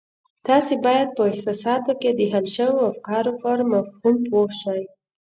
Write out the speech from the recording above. تاسې بايد په احساساتو کې د حل شويو افکارو پر مفهوم پوه شئ.